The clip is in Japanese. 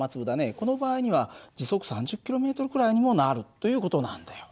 この場合には時速３０ｋｍくらいにもなるという事なんだよ。